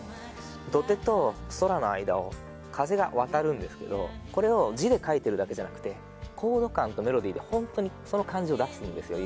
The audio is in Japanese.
土手と空のあいだを風が渡るんですけどこれを字で書いてるだけじゃなくてコード感とメロディーでホントにその感じを出すんですよ。